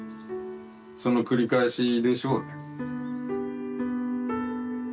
その繰り返しでしょうね。